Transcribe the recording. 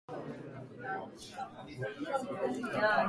Naj vidim tvojo vozovnico.